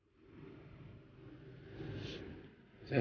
aku seneng banget sama dia